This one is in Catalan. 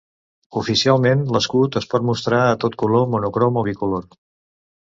Oficialment, l'escut es pot mostrar a tot color, monocrom o bicolor.